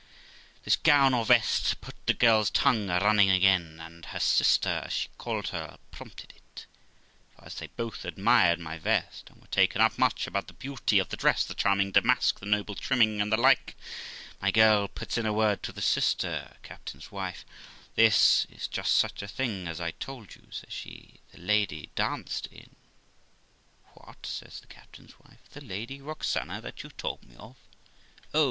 This gown or vest put the girl's tongue a running again, and her sister, as she called her, prompted it; for, as they both admired my vest, and were taken up much about the beauty of the dress, the charming damask, the noble trimming, and the like, my girl puts in a word to the sister (captain's wife), 'This is just such a thing as I told you', says she, 'the lady danced in.' 'What', says the captain's wife, 'the Lady Roxana that you told me of? Oh